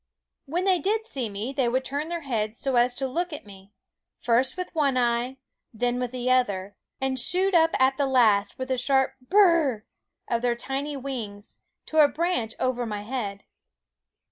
When they did see me they would turn their heads so as to look at me, first with one eye, then with the other, and shoot up at last, with a sharp burr / of their tiny wings, to a branch over my head.